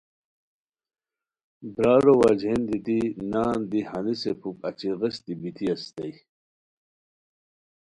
برارو وجہین دیتی نان دی ہنیسے پُھک اچی غیستی بیتی اسیتائے